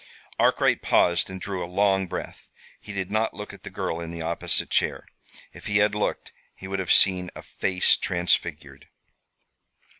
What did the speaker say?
Arkwright paused, and drew a long breath. He did not look at the girl in the opposite chair. If he had looked he would have seen a face transfigured.